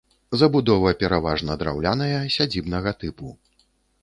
Забудова пераважна драўляная, сядзібнага тыпу.